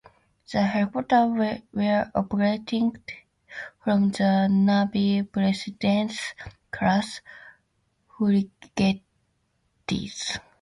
The helicopters were operated from the navy's President class frigates.